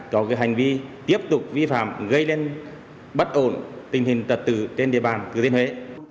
có cái hành vi tiếp tục vi phạm gây lên bất ổn tình hình tật tử trên địa bàn thừa thiên huế